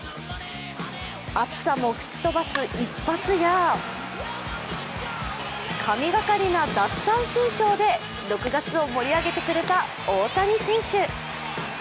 暑さも吹き飛ばす一発や神がかりな奪三振ショーで６月を盛り上げてくれた大谷選手。